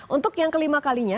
untuk yang kelima kalinya